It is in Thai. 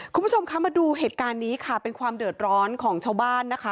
คุณผู้ชมคะมาดูเหตุการณ์นี้ค่ะเป็นความเดือดร้อนของชาวบ้านนะคะ